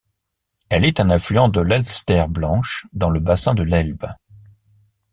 Elle est un affluent de l'Elster Blanche dans le bassin de l'Elbe.